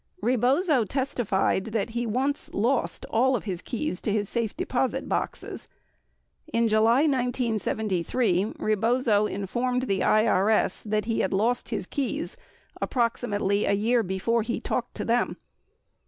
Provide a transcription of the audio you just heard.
78 Rebozo testified that he once lost all of his keys to his safe deposit boxes. 79 In July 1973, Rebozo informed the IRS that he had lost his keys approximately a year before he talked to them.